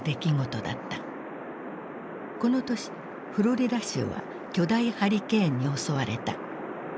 この年フロリダ州は巨大ハリケーンに襲われた。